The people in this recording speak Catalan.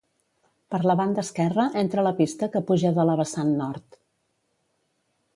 Per la banda esquerra entra la pista que puja de la vessant nord.